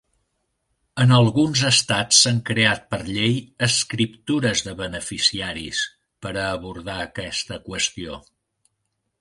En alguns estats s'han creat per llei "escriptures de beneficiaris" per a abordar aquesta qüestió.